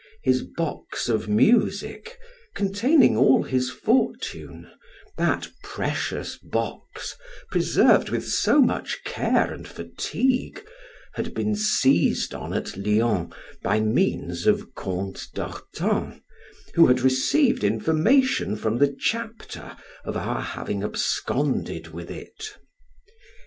His box of music, containing all his fortune, that precious box, preserved with so much care and fatigue, had been seized on at Lyons by means of Count Dortan, who had received information from the Chapter of our having absconded with it.